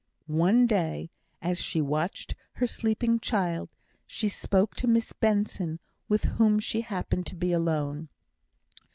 One day, as she watched her sleeping child, she spoke to Miss Benson, with whom she happened to be alone.